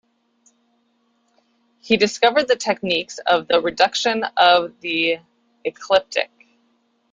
He discovered the techniques of 'the reduction of the ecliptic'.